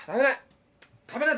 食べない！